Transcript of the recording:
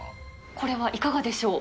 これはいかがでしょう。